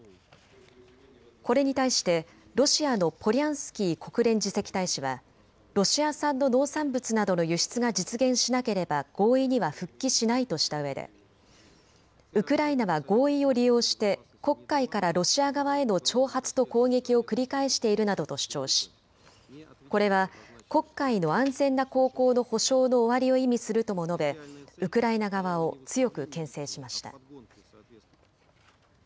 これに対してロシアのポリャンスキー国連次席大使はロシア産の農産物などの輸出が実現しなければ合意には復帰しないとしたうえでウクライナは合意を利用して黒海からロシア側への挑発と攻撃を繰り返しているなどと主張しこれは黒海の安全な航行の保証の終わりを意味するとも述べウクライナ側を強くけん制しました。